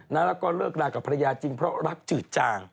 แล้วก็เลิกลากับภรรยาจริงเพราะรักจืดจาง